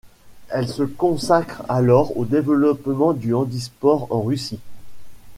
Elle se consacre alors au développement du handisport en Russie.